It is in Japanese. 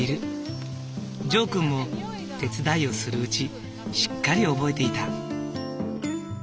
ジョーくんも手伝いをするうちしっかり覚えていた。